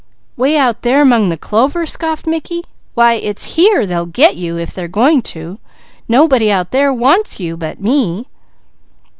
"'Way out there 'mong the clover?" scoffed Mickey. "Why it's here they'll 'get' you if they are going to. Nobody out there wants you, but me."